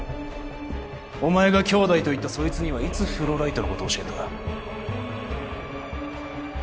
お前が兄弟と言ったそいつにはいつフローライトのことを教えた？